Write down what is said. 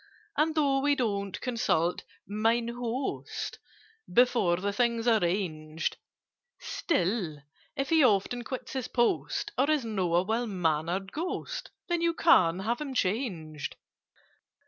"And, though we don't consult 'Mine Host' Before the thing's arranged, Still, if he often quits his post, Or is not a well mannered Ghost, Then you can have him changed.